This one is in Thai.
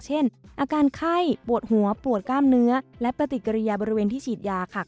เช่นอาการไข้ปวดหัวปวดกล้ามเนื้อและปฏิกิริยาบริเวณที่ฉีดยาค่ะ